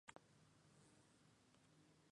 La fundación de El Teniente, comienza en esa casa.